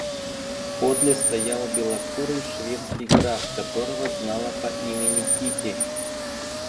Подле стоял белокурый шведский граф, которого знала по имени Кити.